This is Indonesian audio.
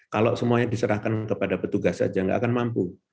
kalau semuanya diserahkan kepada petugas saja tidak akan mampu